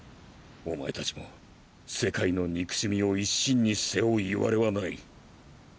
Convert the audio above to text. お前たちも世界の憎しみを一身に背負ういわれはない。